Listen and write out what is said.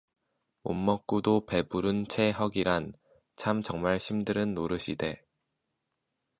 못 먹구두 배부른 체허기란 참 정말 심드는 노릇 이 데.